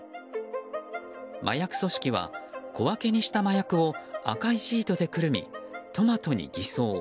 麻薬組織は、小分けにした麻薬を赤いシートでくるみトマトに偽装。